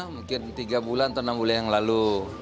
mungkin tiga bulan atau enam bulan yang lalu